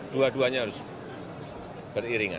dua duanya harus beriringan